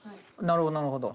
なるほどなるほど。